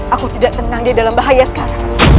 aku tidak tenang dia dalam bahaya sekarang